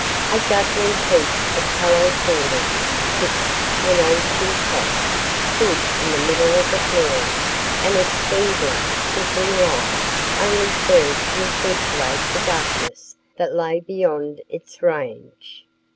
A guttering piece of tallow candle, fixed to an old tin pot, stood in the middle of the floor, and its feeble, flickering light only served to accentuate the darkness that lay beyond its range.